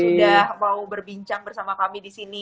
sudah mau berbincang bersama kami di sini